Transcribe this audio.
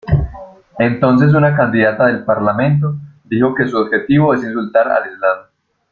Entonces una candidata del parlamento dijo que "Su objetivo es insultar al Islam".